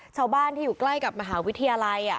ชาวบ้านที่อยู่ใกล้กับมหาวิทยาลัย